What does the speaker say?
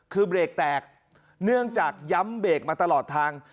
คือเบรกแตกเนื่องจากย้ำเบรกมาตลอดทาง